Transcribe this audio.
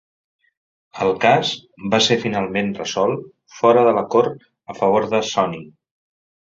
El cas va ser finalment resolt fora de la cort a favor de Sony.